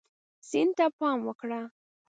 سیند ته پام وکړه.